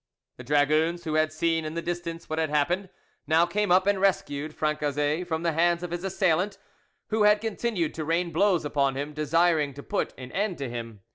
The dragoons, who had seen in the distance what had happened, now came up, and rescued Francezet from the hands of his assailant, who had continued to rain blows upon him, desiring to put an end to him.